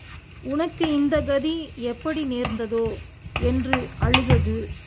உனக்கு இந்தக் கதி எப்படி நேர்ந்ததோ! என்று அழுதது.